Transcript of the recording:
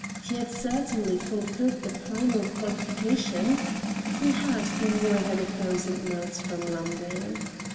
He had certainly fulfilled the primal qualification. He had been more than a thousand miles from London.